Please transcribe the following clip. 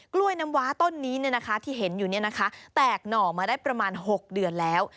กล้วยน้ำว้าต้นนี้ที่เห็นอยู่แตกหน่อมาได้ประมาณ๖เดือนแล้ว